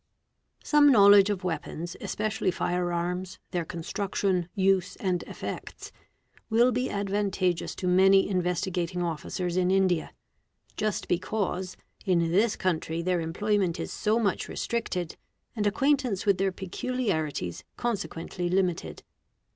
Some knowledge of weapons, especially fire arms, their construction, use, and effects, will be advantageous to many Investigating Officers in India, just because in this country their employment is so much restricted, — and acquaintance with their peculiarities consequently limited.